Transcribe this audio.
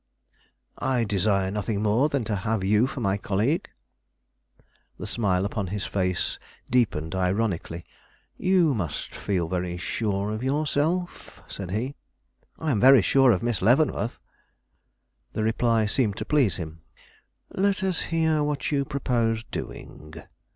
"I desire nothing more than to have you for my colleague." The smile upon his face deepened ironically. "You must feel very sure of yourself!" said he. "I am very sure of Miss Leavenworth." The reply seemed to please him. "Let us hear what you propose doing."